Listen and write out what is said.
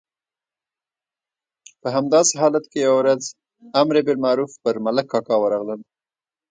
په همداسې حالت کې یوه ورځ امر بالمعروف پر ملک کاکا ورغلل.